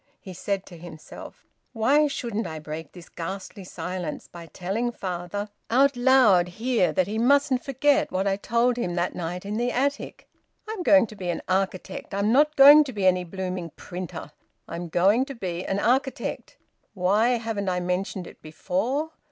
He said to himself "Why shouldn't I break this ghastly silence by telling father out loud here that he mustn't forget what I told him that night in the attic? I'm going to be an architect. I'm not going to be any blooming printer. I'm going to be an architect. Why haven't I mentioned it before?